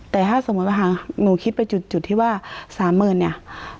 แต่ถ้าสมมุติว่าหนูคิดไปจุดที่ว่า๓๐๐๐เนี่ย